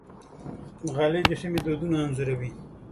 غالۍ د سیمې دودونه انځوروي.